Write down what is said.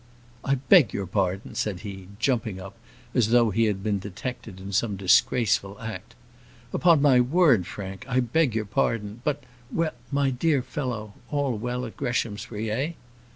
"I beg your pardon," said he, jumping up as though he had been detected in some disgraceful act. "Upon my word, Frank, I beg your pardon; but well, my dear fellow, all well at Greshamsbury eh?"